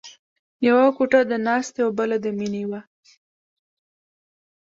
یوه کوټه د ناستې او بله د مینې وه